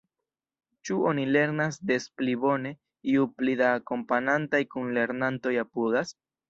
Ĉu oni lernas des pli bone, ju pli da akompanantaj kunlernantoj apudas?